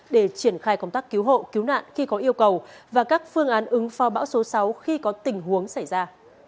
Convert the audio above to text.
để triển khai công tác cứu hộ cứu nạn khi có yêu cầu và các phương án ứng phó bão số sáu khi có tình huống xảy ra